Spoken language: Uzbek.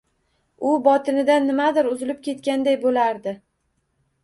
U botinidan nimadir uzilib ketganday bo‘lardi.